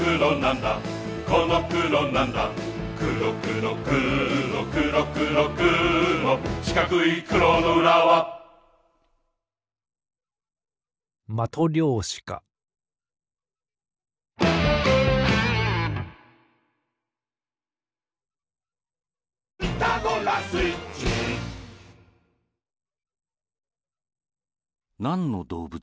ろくろくろくろくろしかくいくろのうらはなんのどうぶつ？